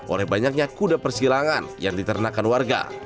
oleh banyaknya kuda persilangan yang diternakan warga